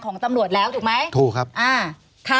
ของตำรวจแล้วถูกไหมถูกครับอ่าค่ะ